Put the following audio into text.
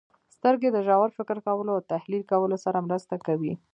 • سترګې د ژور فکر کولو او تحلیل کولو سره مرسته کوي.